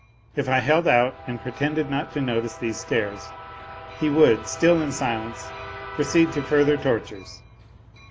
If I held out and pretended not to notice these stares, he would, still in silence, proceed to further tortures.